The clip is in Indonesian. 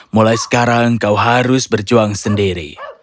mulai sekarang kau harus berjuang sendiri